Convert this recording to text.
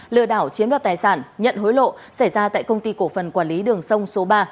lừa đảo chiếm đoạt tài sản nhận hối lộ xảy ra tại công ty cổ phần quản lý đường sông số ba